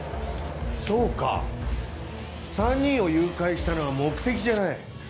そうか３人を誘拐したのは目的じゃない。